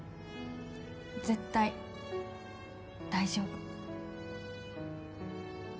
絶対大丈夫。